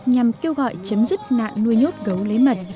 nhằm kêu gọi chấm dứt nạn nuôi nhốt gấu lấy mật